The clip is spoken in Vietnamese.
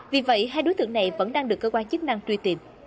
vì vậy hai đối tượng này vẫn đang được cơ quan chức năng truy tìm